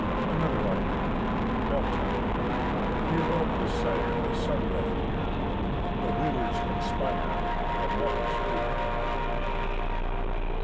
ANOTHER ARGUMENT Δἐλτα. Here of the sire The son doth hear. The Wooers conspire. The Mother's fear.